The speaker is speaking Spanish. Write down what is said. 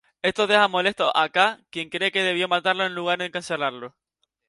Esto deja molesto a K, quien cree que debió matarlo en lugar de encarcelarlo.